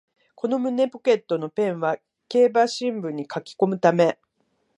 この胸ポケットのペンは競馬新聞に書きこむため